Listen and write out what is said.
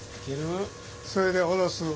それで下ろす。